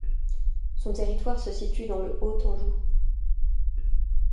Son territoire se situe dans le Haut-Anjou.